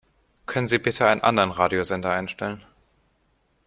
Können Sie bitte einen anderen Radiosender einstellen?